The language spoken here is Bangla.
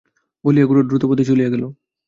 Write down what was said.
বলিয়া গোরা দ্রুতপদে চলিয়া গেল।